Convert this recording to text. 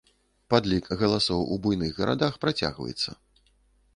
Падлік галасоў у буйных гарадах працягваецца.